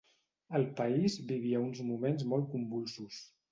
El país vivia uns moments molt convulsos.